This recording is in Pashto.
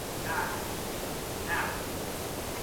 څنګه ځايي بڼوال تازه میوه ترکیې ته لیږدوي؟